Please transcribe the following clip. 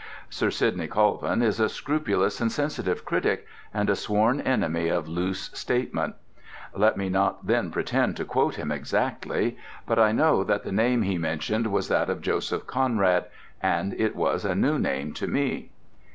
Sir Sidney Colvin is a scrupulous and sensitive critic, and a sworn enemy of loose statement; let me not then pretend to quote him exactly; but I know that the name he mentioned was that of Joseph Conrad, and it was a new name to me.